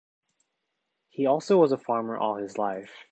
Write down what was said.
He also was a farmer all his life.